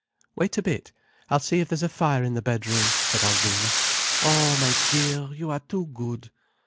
"Wait a bit. I'll see if there's a fire in the bedroom," said Alvina. "Oh, my dear, you are too good.